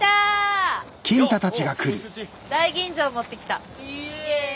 大吟醸持ってきた。